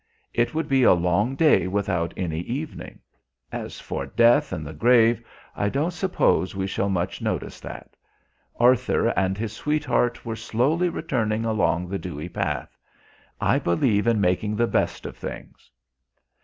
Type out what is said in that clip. It would be a long day without any evening. As for death and the grave, I don't suppose we shall much notice that." Arthur and his sweetheart were slowly returning along the dewy path. "I believe in making the best of things."